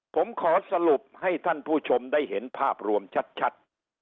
ผมขอสรุปให้ท่านผู้ชมได้เห็นภาพรวมชัด